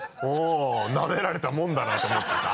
なめられたもんだなと思ってさ。